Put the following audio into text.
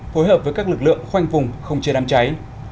phối hợp với các lực lượng khoanh vùng không chế đám cháy